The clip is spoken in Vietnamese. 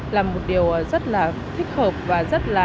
là một điều rất là thích hợp và rất là